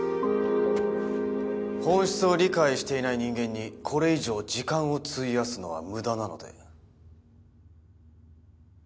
本質を理解していない人間にこれ以上時間を費やすのは無駄なので。